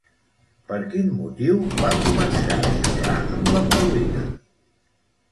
Per quin motiu va començar a xerrar amb la Paulina?